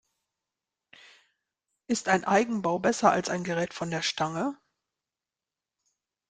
Ist ein Eigenbau besser als ein Gerät von der Stange?